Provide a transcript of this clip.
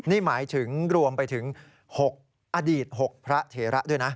นี่หมายถึงรวมไปถึง๖อดีต๖พระเถระด้วยนะ